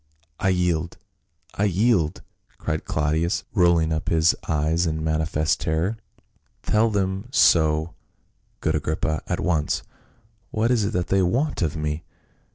" I yield ! I yield !" cried Claudius, rolling up his 214 PA UL. eyes in manifest terror. " Tell them so, good Agrippa, at once. What is it that they want of me